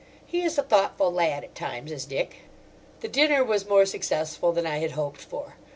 He is a thoughtful lad at times, is Dick. The dinner was more successful than I had hoped for.